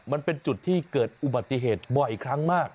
มันเป็นจุดที่เกิดอุบัติเหตุบ่อยครั้งมาก